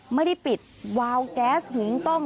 ไม่ได้ปิดวาวแก๊สหุงต้ม